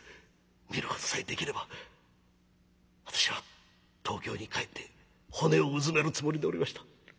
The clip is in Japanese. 見ることさえできれば私は東京に帰って骨をうずめるつもりでおりました。